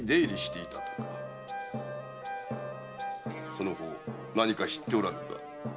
その方何か知っておらぬか？